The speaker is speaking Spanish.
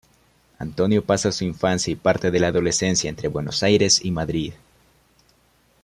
Antonio pasa su infancia y parte de la adolescencia entre Buenos Aires y Madrid.